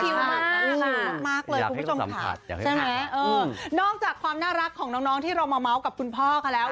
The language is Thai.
มากเลยคุณผู้ชมค่ะใช่ไหมเออนอกจากความน่ารักของน้องที่เรามาเมาส์กับคุณพ่อเขาแล้ว